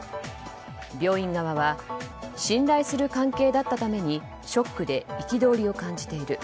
病院側は信頼する関係だったためにショックで憤りを感じている。